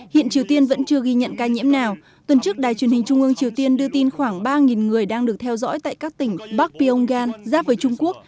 hiện triều tiên vẫn chưa ghi nhận ca nhiễm nào tuần trước đài truyền hình trung ương triều tiên đưa tin khoảng ba người đang được theo dõi tại các tỉnh bắc pyeonggan giáp với trung quốc